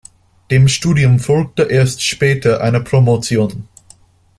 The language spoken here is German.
Dem Studium folgte erst später eine Promotion.